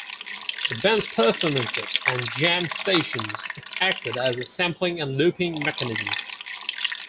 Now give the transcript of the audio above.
The band's performances and jam sessions acted as sampling and looping mechanisms.